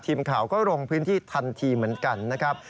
ทีมข่าวก็ลงพื้นที่ทันทีเหมือนกันนะครับ